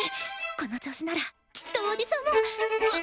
この調子ならきっとオーディションも。